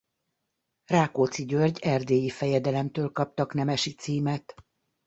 Rákóczi György erdélyi fejedelemtől kaptak nemesi címet.